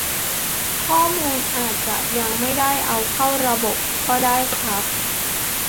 ข้อมูลอาจจะยังไม่ได้เอาเข้าระบบก็ได้ครับ